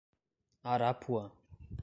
Arapuã